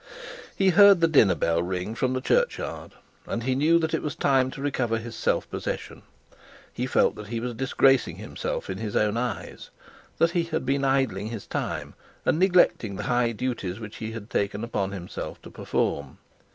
He heard the dinner bell ring from the churchyard, and he knew that it was time to recover his self possession. He felt that he was disgracing himself in his own eyes, that he had been idling his time and neglecting the high duties which he had taken upon himself to perform.